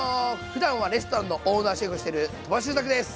ふだんはレストランのオーナーシェフをしてる鳥羽周作です。